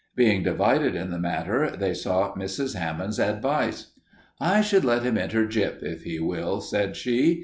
Being divided in the matter, they sought Mrs. Hammond's advice. "I should let him enter Gyp if he will," said she.